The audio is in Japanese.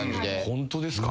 ホントですか。